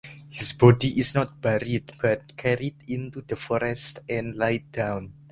His body is not buried but carried into the forest and laid down.